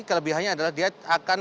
kelebihannya adalah dia akan